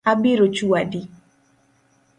Abiro chwadi